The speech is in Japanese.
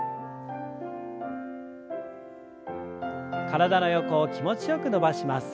体の横を気持ちよく伸ばします。